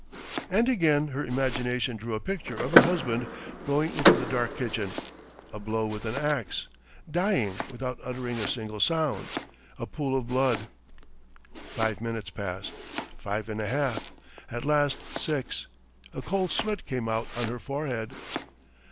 And again her imagination drew a picture of her husband going into the dark kitchen ... a blow with an axe ... dying without uttering a single sound ... a pool of blood! ... Five minutes passed ... five and a half ... at last six. ... A cold sweat came out on her forehead.